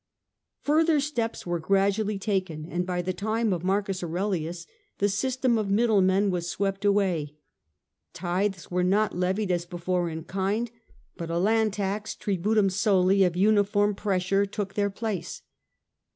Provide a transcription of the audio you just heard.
F urther steps were gradually taken, and by the time of Marcus Aurelius the system of middlemen was swept away. Tithes were not levied as before in kind, but a land tax (tributum soli) of uniform pressure took their place.